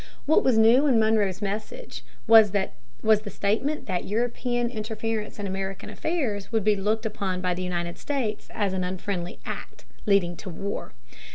What was new in Monroe's message was the statement that European interference in American affairs would be looked upon by the United States as an "unfriendly act," leading to war.